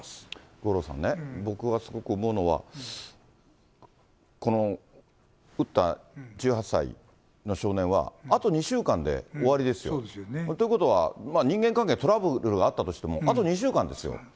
五郎さんね、僕はすごく思うのは、この撃った１８歳の少年は、あと２週間で終わりですよ。ということは、人間関係のトラブルあったとしても、あと２週間です。